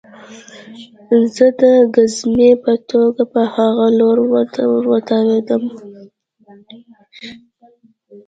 زه د ګزمې په توګه په هغه لور ورتاوېدم